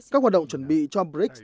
các hoạt động chuẩn bị cho brics